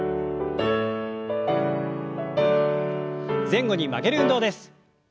前後に曲げる運動です。